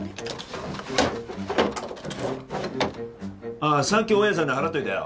ああさっき大家さんに払っておいたよ。